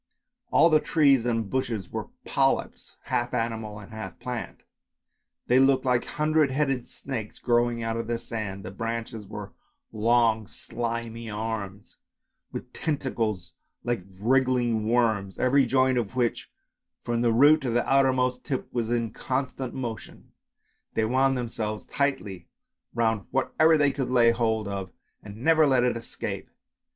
All the trees and bushes were polyps, half animal and half plant; they looked like hundred headed snakes growing out of the sand, the branches were long slimy arms, with tentacles like wriggling worms, every joint of which from the root to the outermost tip was in constant motion. They wound themselves tightly round whatever they could lay hold of and never let it escape.